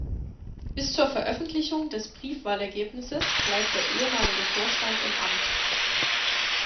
Bis zur Veröffentlichung des Briefwahlergebnisses bleibt der ehemalige Vorstand im Amt.